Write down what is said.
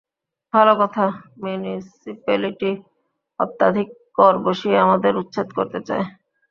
ভাল কথা মিউনিসিপ্যালিটি অত্যধিক কর বসিয়ে আমাদের উচ্ছেদ করতে চায়।